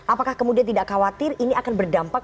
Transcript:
apakah kemudian tidak khawatir ini akan berdampak